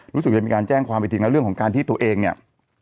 รู้สึกจะมีการแจ้งความไปจริงแล้วเรื่องของการที่ตัวเองเนี่ย